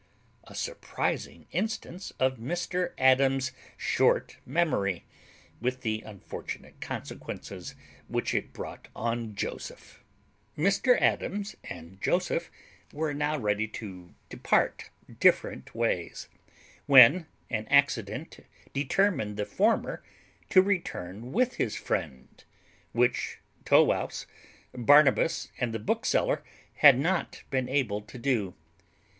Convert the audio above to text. A surprizing instance of Mr Adams's short memory, with the unfortunate consequences which it brought on Joseph. Mr Adams and Joseph were now ready to depart different ways, when an accident determined the former to return with his friend, which Tow wouse, Barnabas, and the bookseller had not been able to do.